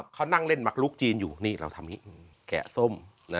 เขานั่งเล่นมักลุกจีนอยู่นี่เราทำอย่างนี้แกะส้ม